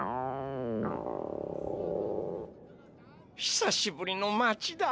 ひさしぶりの町だ！